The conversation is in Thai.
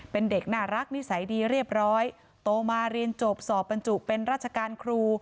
เป็นเด็กน่ารักนิสัยดีเรียบร้อยโตมาเรียนจบสอบบรรจุเป็นราชการครู